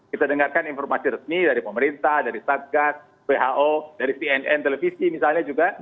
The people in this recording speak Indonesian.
kita dengarkan informasi resmi dari pemerintah dari satgas who dari cnn televisi misalnya juga